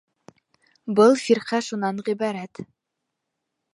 — Был фирҡә шунан ғибәрәт.